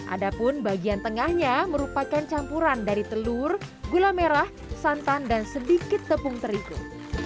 ada pun bagian tengahnya merupakan campuran dari telur gula merah santan dan sedikit tepung terigu